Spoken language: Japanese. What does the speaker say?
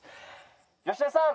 吉田さん